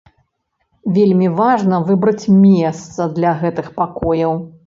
Вельмі важна выбраць месца для гэтых пакояў.